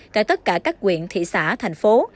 tại tất cả các quyện thị xã thành phố